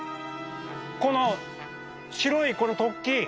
この白いこの突起！